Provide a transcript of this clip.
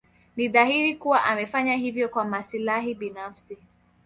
Ni dhahiri kuwa amefanya hivyo kwa maslahi binafsi.